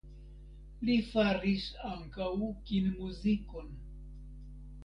Li faris ankaŭ kinmuzikon.